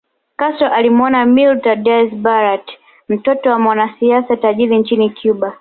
Castro alimuoa Mirta Diaz Balart mtoto wa mwanasiasa tajiri nchini Cuba